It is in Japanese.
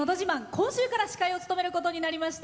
今週から司会を務めることになりました